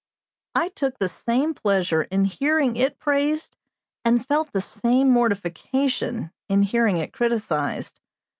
I took the same pleasure in hearing it praised and felt the same mortification in hearing it criticised.